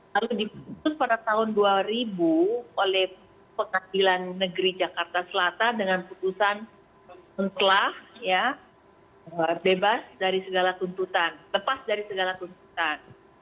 lalu diputus pada tahun dua ribu oleh pengadilan negeri jakarta selatan dengan putusan telah bebas dari segala tuntutan lepas dari segala tuntutan